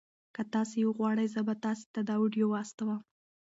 که تاسي وغواړئ زه به تاسي ته دا ویډیو واستوم.